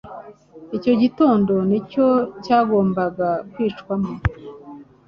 Icyo gitondo ni cyo yagombaga kwicwamo